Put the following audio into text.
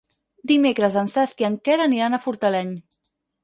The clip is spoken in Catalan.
Dimecres en Cesc i en Quer aniran a Fortaleny.